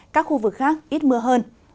các khu vực khác ít mưa hơn